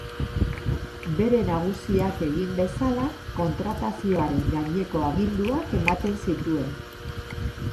Bere nagusiak egin bezala, kontratazioaren gaineko aginduak ematen zituen.